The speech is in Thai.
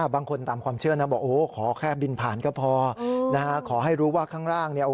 บางคนตามความเชื่อนะบอกโอ้โหขอแค่บินผ่านก็พอนะฮะขอให้รู้ว่าข้างล่างเนี่ย